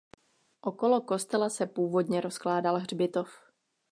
Okolo kostela se původně rozkládal hřbitov.